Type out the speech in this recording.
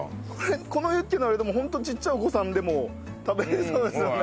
このユッケならホントちっちゃいお子さんでも食べれそうですよね。